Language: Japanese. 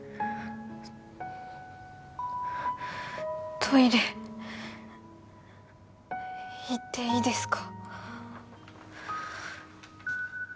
トイレ行っていいですか？